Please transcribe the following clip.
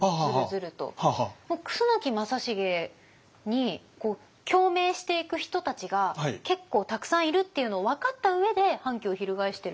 楠木正成に共鳴していく人たちが結構たくさんいるっていうのを分かった上で反旗を翻してるのか。